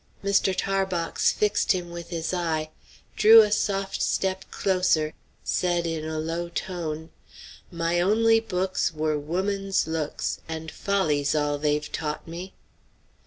Mr. Tarbox fixed him with his eye, drew a soft step closer, said in a low tone: "'My only books Were woman's looks, And folly's all they've taught me.'"